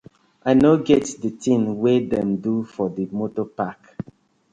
I no get di tin wey dem do for di motor park.